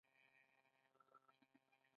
کانت وویل دا یو ډول غیر جذابه هوښیاري ده.